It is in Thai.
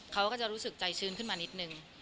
เขาก็จะรู้สึกใจชื้นขึ้นมานิดนึง